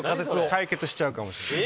解決しちゃうかもしれない。